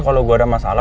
kalau gue ada masalah